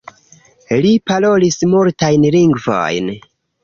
Li parolis multajn lingvojn.